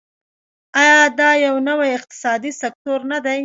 آیا دا یو نوی اقتصادي سکتور نه دی؟